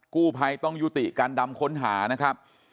กู้ภัยต้องยุติการดำค้นหานะครับ